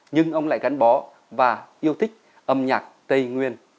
nhưng ông lại gắn bó và yêu thích âm nhạc tây nguyên